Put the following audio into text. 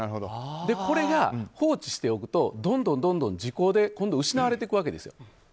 これが、放置しておくとどんどん時効で今度は失われていくわけです。